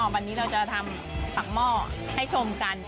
วันนี้เราจะทำปากหม้อให้ชมกัน